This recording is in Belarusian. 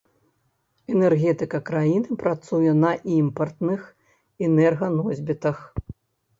Энергетыка краіны працуе на імпартных энерганосьбітах.